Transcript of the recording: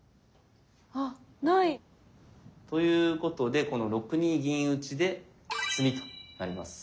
あっということでこの６二銀打で詰みとなります。